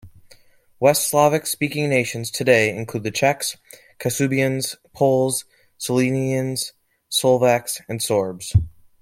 West Slavic speaking nations today include the Czechs, Kashubians, Poles, Silesians, Slovaks and Sorbs.